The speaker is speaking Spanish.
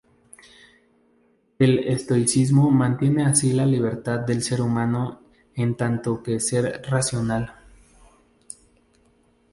El estoicismo mantiene así la libertad del ser humano en tanto que ser racional.